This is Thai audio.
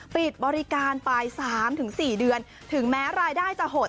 ปิดบริการไป๓๔เดือนถึงแม้รายได้จะหด